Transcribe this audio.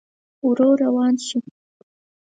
ورو روان شو.